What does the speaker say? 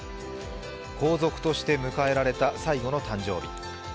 皇族として迎えられた最後の誕生日。